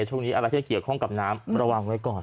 ช่วงนี้อะไรที่เกี่ยวข้องกับน้ำระวังไว้ก่อน